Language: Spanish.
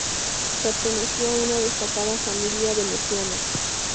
Pertenecía a una destacada familia veneciana.